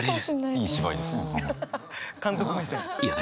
いい芝居ですね。